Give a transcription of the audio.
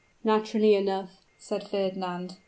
"Naturally enough," said Fernand.